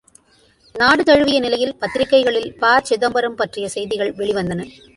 நாடு தழுவிய நிலையில் பத்திரிகைகளில் ப.சிதம்பரம் பற்றிய செய்திகள் வெளிவந்தன.